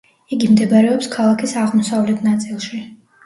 იგი მდებარეობს ქალაქის აღმოსავლეთ ნაწილში.